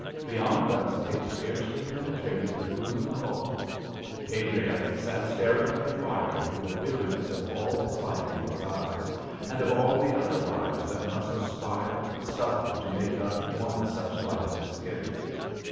Beyond us it scarcely penetrated the gloom at all. Adriance sat staring at the fire with the weariness of all his life in his eyes, and of all the other lives that must aspire and suffer to make up one such life as his.